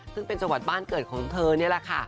คือบ้านเกิดของเธอนี่ดิละค่ะ